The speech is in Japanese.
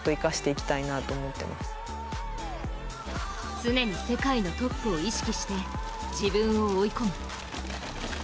常に世界のトップを意識して、自分を追い込む。